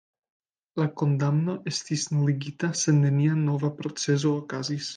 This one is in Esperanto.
La kondamno estis nuligita, sed nenia nova procezo okazis.